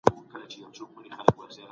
د زړه دروازې خلاصې کړئ.